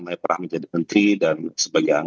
mbak puan menjadi menteri dan sebagai